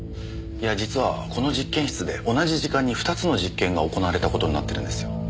いや実はこの実験室で同じ時間に２つの実験が行われた事になってるんですよ。